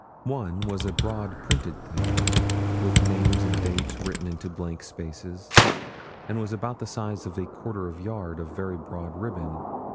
One was a broad printed thing, with names and dates written into blank spaces, and was about the size of a quarter of a yard of very broad ribbon.